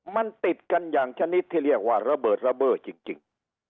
มันติดกันอย่างชนิดที่เรียกว่าระเบิดระเบิดจริง